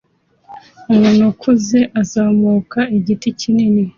Umuntu ukuze azamuka igiti kinini